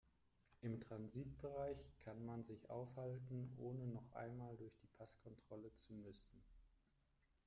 Im Transitbereich kann man sich aufhalten, ohne noch einmal durch die Passkontrolle zu müssen.